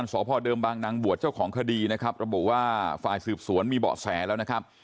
ตั้งแต่ได้การสอบภอด์เดิมบางนางบวชเจ้าของคดีนะครับก็บอกว่าฝ่ายสืบสวนมีเบาะแสแล้วนะครับ